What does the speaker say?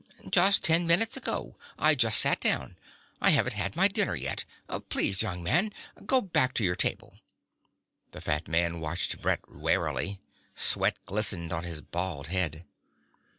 "Just ten minutes ago. I just sat down. I haven't had my dinner yet. Please, young man. Go back to your table." The fat man watched Brett warily. Sweat glistened on his bald head.